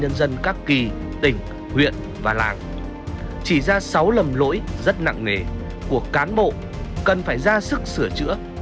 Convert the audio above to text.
nhân dân các kỳ tỉnh huyện và làng chỉ ra sáu lầm lỗi rất nặng nề của cán bộ cần phải ra sức sửa chữa